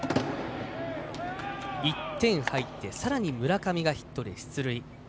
１点入ってさらに村上がヒットで出塁。